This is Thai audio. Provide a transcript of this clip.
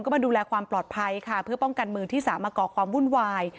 ก็มาดูแลความปลอดภัยค่ะเพื่อป้องกันมือที่สามมาก่อความวุ่นวาย